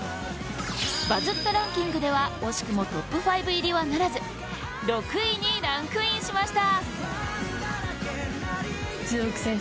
バズったランキングでは惜しくもトップ５入りはならず、６位にランクインしました。